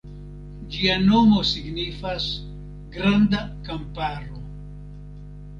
Ĝia nomo signifas "Granda Kamparo".